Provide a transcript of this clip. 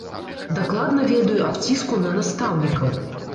Дакладна ведаю аб ціску на настаўнікаў.